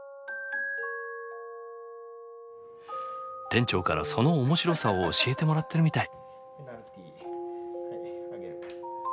店長からその面白さを教えてもらってるみたい。